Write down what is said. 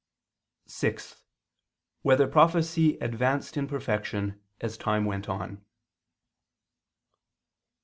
(6) Whether prophecy advanced in perfection as time went on?